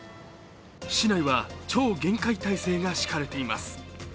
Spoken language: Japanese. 市内は超厳戒態勢が敷かれています。